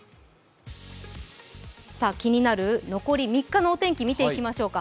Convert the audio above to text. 気になる残り３日のお天気を見ていきましょうか。